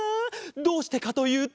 どうしてかというと。